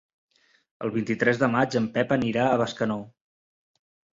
El vint-i-tres de maig en Pep anirà a Bescanó.